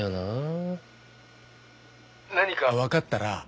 何かわかったら。